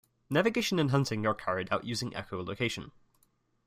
Navigation and hunting are carried out using echolocation.